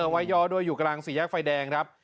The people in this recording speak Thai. ไว้ย่อด้วยอยู่กลางสี่แยกไฟแดงครับ